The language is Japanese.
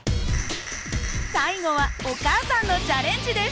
最後はお母さんのチャレンジです。